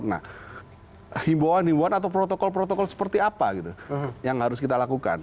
nah himbauan himbauan atau protokol protokol seperti apa gitu yang harus kita lakukan